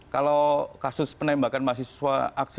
kalau kasus penembakan mahasiswa